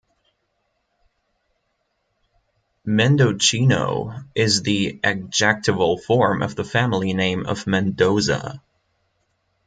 "Mendocino" is the adjectival form of the family name of Mendoza.